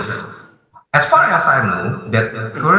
sejauh yang saya tahu